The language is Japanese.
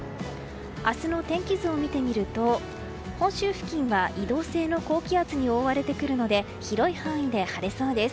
明日の天気図を見てみると本州付近は移動性の高気圧に覆われてくるので広い範囲で晴れそうです。